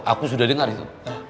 aku sudah dengar itu